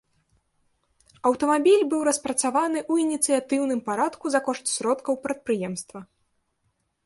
Аўтамабіль быў распрацаваны ў ініцыятыўным парадку за кошт сродкаў прадпрыемства.